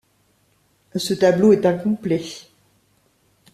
Ce tableau est incomplet.